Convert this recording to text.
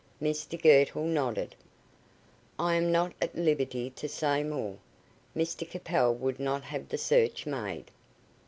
Mr Girtle nodded. "I am not at liberty to say more. Mr Capel would not have the search made."